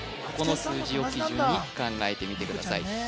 この数字を基準に考えてみてください